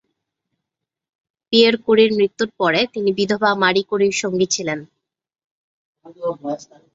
Pierre ক্যুরির মৃত্যুর পরে তিনি বিধবা মারি ক্যুরির সঙ্গী ছিলেন।